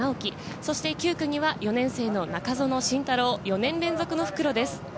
そして９区には４年生の中園慎太朗、４年連続の復路です。